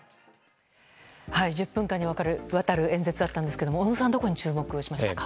１０分間にわたる演説だったんですが小野さんどこに注目しましたか？